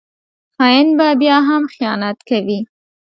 خاین به بیا هم خیانت کوي